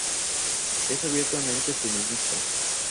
Es abiertamente feminista.